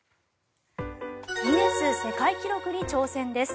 ギネス世界記録に挑戦です。